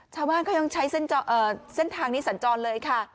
ชาวบ้านก็ยังใช้เส้นทางนี้สัญจรเลยค่ะ